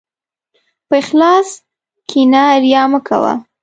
په اخلاص کښېنه، ریا مه کوه.